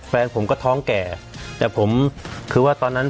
แฟนผมก็ท้องแก่แต่ผมคือว่าตอนนั้น